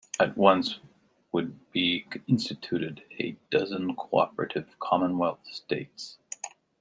At once would be instituted a dozen cooperative commonwealth states.